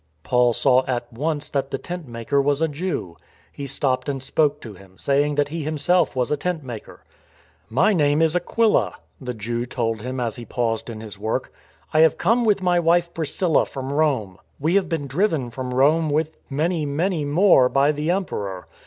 Paul saw at once that the tent maker was a Jew. He stopped and spoke to him, saying that he himself was a tent maker. " My name is Aquila," the Jew told him as he paused in his work. " I have come with my wife Priscilla from Rome. We have been driven from Rome with many, many more by the Emperor.